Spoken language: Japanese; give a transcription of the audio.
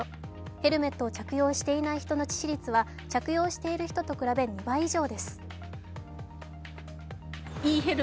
ヘルメットを着用していない人の致死率は着用している人と比べ２倍以上です。